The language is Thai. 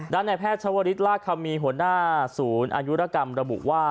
ในแพทย์ชวริสลากคำมีหัวหน้าศูนย์อายุรกรรมระบุว่า